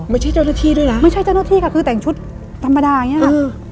ไม่ใช่เจ้าหน้าที่ด้วยนะไม่ใช่เจ้าหน้าที่ค่ะคือแต่งชุดธรรมดาอย่างนี้ค่ะ